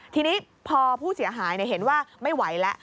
ทีนี้พอผู้เสียหายเห็นว่าไม่ไหวแล้ว